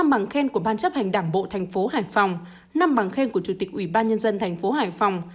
năm bằng khen của ban chấp hành đảng bộ tp hải phòng năm bằng khen của chủ tịch ủy ban nhân dân tp hải phòng